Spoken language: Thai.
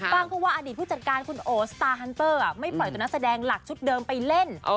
ว่าอดีตผู้จัดการคุณโอสตาร์ฮันเตอร์ไม่ปล่อยตัวนักแสดงหลักชุดเดิมไปเล่น